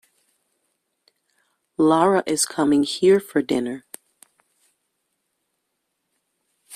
Lara is coming here for dinner.